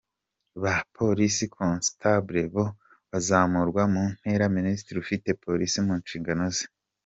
Ba ‘Police Constables’ bo bazamurwa mu ntera na Minisitiri ufite Polisi mu nshingano ze.